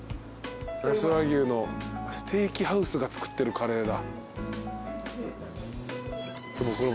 那須和牛のステーキハウスが作ってるカレーだ。